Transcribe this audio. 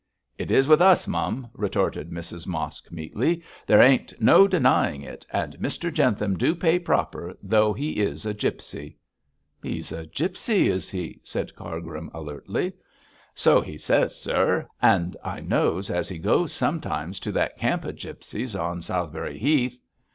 'It is with us, mum,' retorted Mrs Mosk, meekly; 'there ain't no denying of it. And Mr Jentham do pay proper though he is a gipsy.' 'He's a gipsy, is he?' said Cargrim, alertly. 'So he says, sir; and I knows as he goes sometimes to that camp of gipsies on Southberry Heath.'